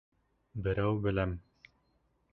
Берәү беләм.